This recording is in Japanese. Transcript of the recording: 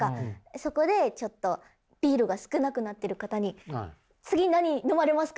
そこでちょっとビールが少なくなってる方に次なに飲まれますか？